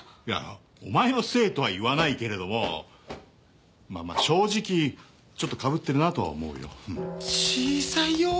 いやお前のせいとは言わないけれどもまあまあ正直ちょっとかぶってるなとは思うよ。